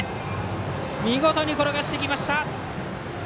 見事に転がしてきました。